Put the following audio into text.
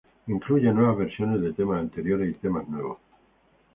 Incluye nuevas versiones de temas anteriores y temas nuevos.